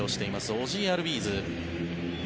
オジー・アルビーズ。